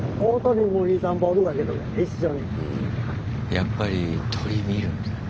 やっぱり鳥見えるんだ。